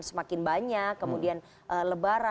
semakin banyak kemudian lebar